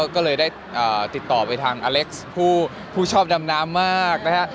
ก็เลยได้ติดต่อไปทางอเล็กซ์ผู้ชอบดำน้ำมากนะฮะ